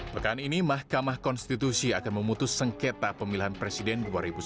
pekan ini mahkamah konstitusi akan memutus sengketa pemilihan presiden dua ribu sembilan belas